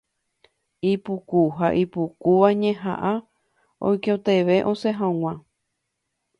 Ipuku ha ipypukúva ñehaʼã oikotevẽ osẽ haḡua.